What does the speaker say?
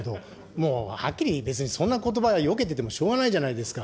もうはっきり、別にそんなことばよけててもしょうがないじゃないですか。